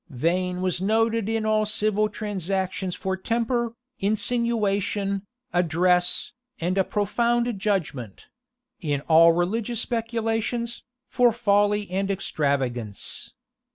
Vane was noted in all civil transactions for temper, insinuation, address, and a profound judgment; in all religious speculations, for folly and extravagance.